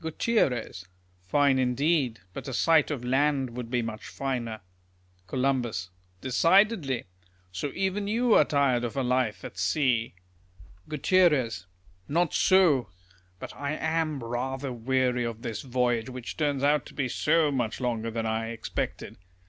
Gutierrez. Fine indeed ; but a sight of land would be much finer. Col. Decidedly. So even you are tired of a life at sea. Gut. Not so. But I am rather weary of this voyage, wliich turns out to be so much longer than I expected.